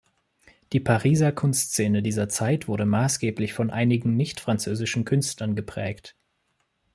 Die Pariser Kunstszene dieser Zeit wurde maßgeblich von einigen nicht-französischen Künstlern geprägt.